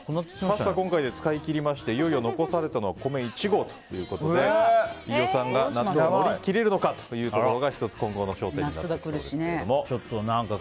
パスタ、今回で使い切りましていよいよ残されたのは米１合ということで飯尾さんが夏を乗り切れるのかというところが１つ、今後の焦点となりそうです。